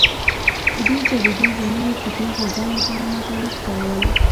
دې جریدې د نوي فکري غورځنګ لپاره مطالب خپرول.